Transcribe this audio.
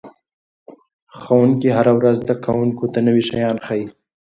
ښوونکي هره ورځ زده کوونکو ته نوي شیان ښيي.